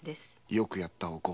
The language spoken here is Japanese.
よくやったお甲。